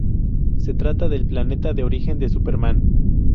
Se trata del planeta de origen de Superman.